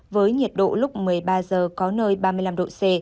với nhiệt độ lúc một mươi ba h có nơi ba mươi năm độ c